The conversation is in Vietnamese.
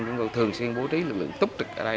chúng tôi thường xuyên bố trí lực lượng túc trực ở đây